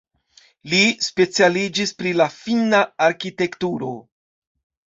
Li specialiĝis pri la finna arkitekturo.